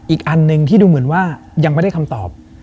อีกอันหนึ่งที่ดูเหมือนว่ายังไม่ได้คำตอบ